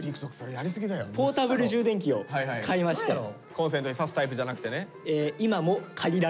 コンセントに差すタイプじゃなくてね。